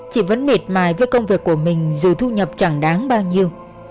chị vẫn miệt mài với công việc của mình dù thu nhập chẳng đáng bao nhiêu